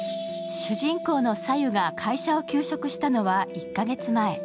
主人公の早柚が会社を休職したのは１か月前。